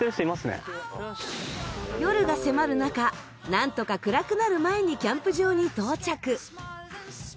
夜が迫る中なんとか暗くなる前にキャンプ場に到着。